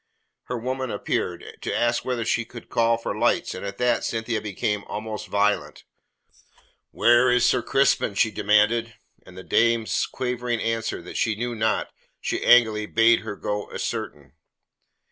Her woman appeared, to ask whether she should call for lights and at that Cynthia became almost violent. "Where is Sir Crispin?" she demanded. And to the dame's quavering answer that she knew not, she angrily bade her go ascertain.